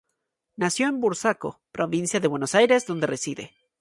Nació en Burzaco, provincia de Buenos Aires donde reside.